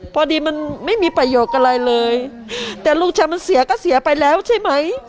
พอดีมันไม่มีประโยชน์อะไรเลยแต่ลูกชายมันเสียก็เสียไปแล้วใช่ไหม